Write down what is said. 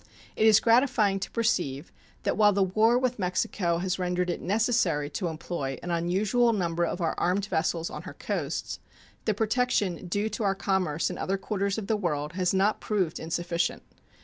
It is gratifying to perceive that while the war with Mexico has rendered it necessary to employ an unusual number of our armed vessels on her coasts, the protection due to our commerce in other quarters of the world has not proved insufficient.